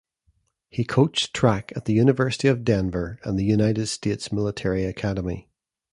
He coached track at the University of Denver and the United States Military Academy.